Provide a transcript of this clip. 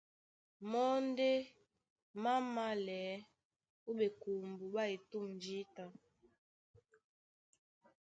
Mɔ́ ndé má mālɛɛ́ ó ɓekombo ɓá etûm jǐta.